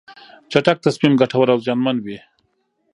چټک تصمیم ګټور او زیانمن وي.